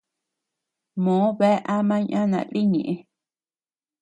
Mòo bea ama ñana lï ñeʼë.